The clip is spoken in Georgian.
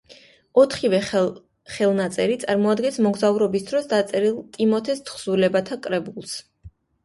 ოთხივე ხელნაწერი წარმოადგენს მოგზაურობის დროს დაწერილ ტიმოთეს თხზულებათა კრებულს.